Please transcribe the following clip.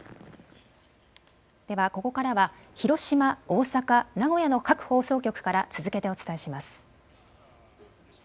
ではここからは広島、大阪名古屋の各放送局から続けてお伝えします。